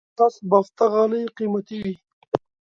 لاس بافته غالۍ قیمتي وي.